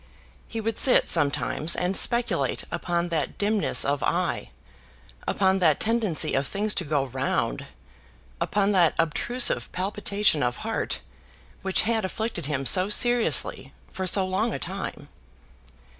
He would sit sometimes and speculate upon that dimness of eye, upon that tendency of things to go round, upon that obtrusive palpitation of heart, which had afflicted him so seriously for so long a time.